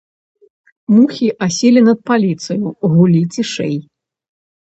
Мухі аселі над паліцаю, гулі цішэй.